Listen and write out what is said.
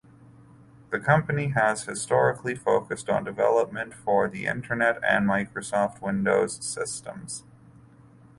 The company has historically focused on development for the internet and Microsoft Windows systems.